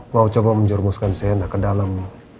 mau coba menjurmuskan sena ke dalam